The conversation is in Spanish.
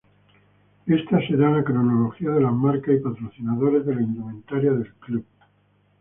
Esta será la cronología de las marcas y patrocinadores de la indumentaria del club.